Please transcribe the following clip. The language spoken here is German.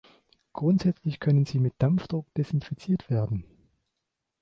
Grundsätzlich können sie mit Dampfdruck desinfiziert werden.